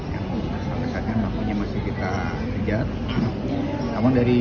yang terkaitnya masih kita kejar